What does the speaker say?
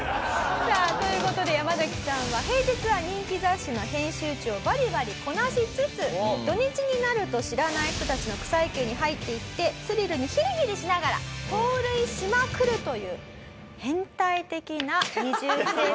さあという事でヤマザキさんは平日は人気雑誌の編集長をバリバリこなしつつ土日になると知らない人たちの草野球に入っていってスリルにヒリヒリしながら盗塁しまくるという変態的な二重生活を送ってらっしゃいます。